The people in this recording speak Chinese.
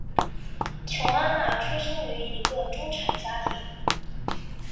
琼安娜出生于一个中产家庭。